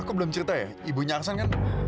aku belum cerita ya ibunya aksen kan